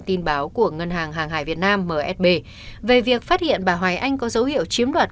tin báo của ngân hàng hàng hải việt nam msb về việc phát hiện bà hoài anh có dấu hiệu chiếm đoạt